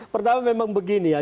pertama memang begini ya